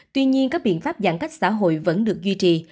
tuy nhiên các biện pháp giãn cách xã hội vẫn được duy trì